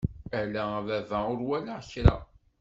Ala a baba ur walaɣ kra!